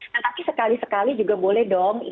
tetapi sekali sekali juga boleh dong